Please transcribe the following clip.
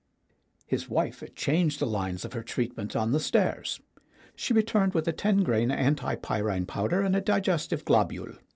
His wife had changed the lines of her treatment on the stairs. She returned with a ten grain antipyrine powder and a digestive globule.